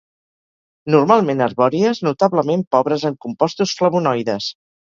Normalment arbòries, notablement pobres en compostos flavonoides.